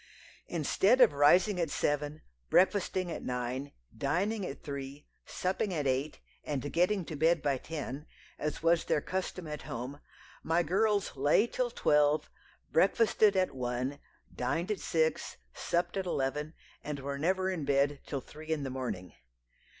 "Instead of rising at seven, breakfasting at nine, dining at three, supping at eight, and getting to bed by ten, as was their custom at home, my girls lay till twelve, breakfasted at one, dined at six, supped at eleven, and were never in bed till three in the morning.